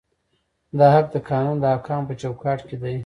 دا حق د قانون د احکامو په چوکاټ کې دی.